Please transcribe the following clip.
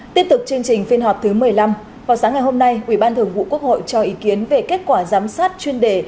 tiếp tục chương trình phiên họp thứ một mươi năm vào sáng ngày hôm nay ủy ban thường vụ quốc hội cho ý kiến về kết quả giám sát chuyên đề